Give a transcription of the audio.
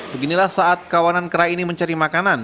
beginilah saat kawanan kera ini mencari makanan